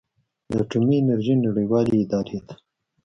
د اټومي انرژۍ نړیوالې ادارې ته